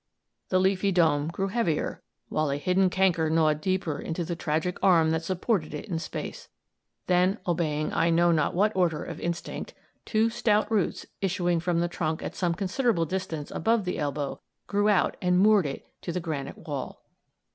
"The leafy dome grew heavier, while a hidden canker gnawed deeper into the tragic arm that supported it in space. Then, obeying I know not what order of instinct, two stout roots, issuing from the trunk at some considerable distance above the elbow, grew out and moored it to the granite wall."